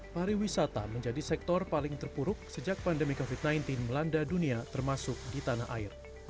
pariwisata menjadi sektor paling terpuruk sejak pandemi covid sembilan belas melanda dunia termasuk di tanah air